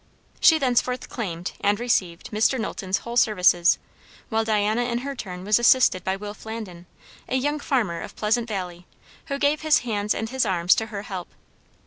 She thenceforth claimed, and received, Mr. Knowlton's whole services; while Diana in her turn was assisted by Will Flandin, a young farmer of Pleasant Valley, who gave his hands and his arms to her help.